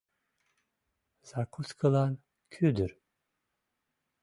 Закускылан — кӱдыр.